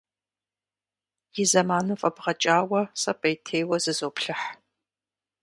И зэманым фӏэбгъэкӏауэ, сэ пӏеутейуэ зызоплъыхь.